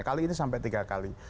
kali ini sampai tiga kali